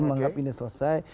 menganggap ini selesai